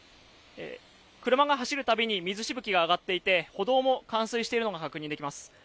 車が走るたびに水しぶきが上がっていて歩道も冠水しているのが確認できます。